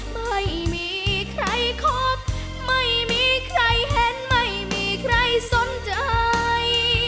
ไม่มีใครคบไม่มีใครเห็นไม่มีใครสนใจ